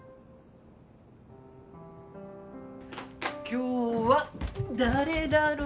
今日は誰だろう。